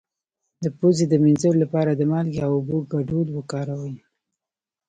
د پوزې د مینځلو لپاره د مالګې او اوبو ګډول وکاروئ